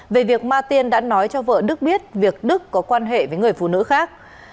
về việc ma tiên đã nói cho vợ đức biết việc đức có quan hệ với người phụ nữ khác